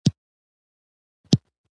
کارنامې ته وګورو.